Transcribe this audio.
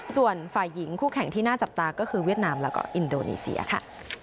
ส่วนฝ่ายหญิงคู่แข่งที่น่าจับตาก็คือเวียดนามแล้วก็อินโดนีเซียค่ะ